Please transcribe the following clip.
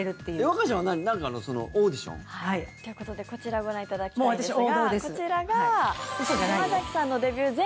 和歌ちゃんは何かのオーディション？ということで、こちらご覧いただきたいんですが。